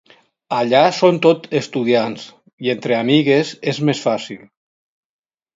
Allà són tot estudiants i entre amigues és més fàcil.